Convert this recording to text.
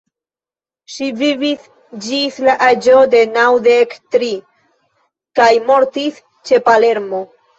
Ŝi vivis ĝis la aĝo de naŭdek tri, kaj mortis ĉe Palermo.